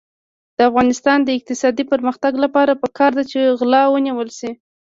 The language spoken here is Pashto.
د افغانستان د اقتصادي پرمختګ لپاره پکار ده چې غلا ونیول شي.